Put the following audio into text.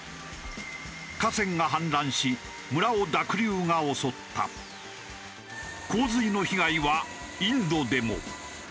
河川が氾濫し村を洪水の被害はインドでも。